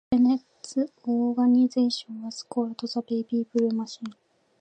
Bennett's organization was called the "Baby Blue Machine".